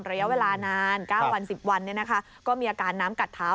ระยะเวลานาน๙วัน๑๐วันดูแลน้ำกัดเถ้า